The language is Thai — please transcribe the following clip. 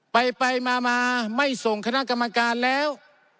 ไปไปมาไม่ส่งคณะกรรมการแล้ว